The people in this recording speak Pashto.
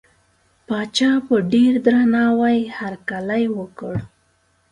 پاچا په ډېر درناوي هرکلی وکړ.